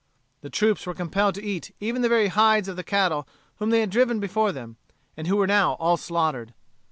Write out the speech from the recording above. The troops were compelled to eat even the very hides of the cattle whom they had driven before them, and who were now all slaughtered.